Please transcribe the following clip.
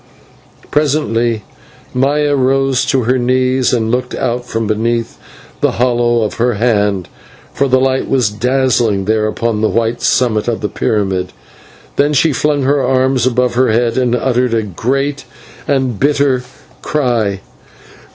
Presently Maya rose to her knees and looked out from beneath the hollow of her hand, for the light was dazzling there upon the white summit of the pyramid. Then she flung her arms above her head and uttered and great and bitter cry.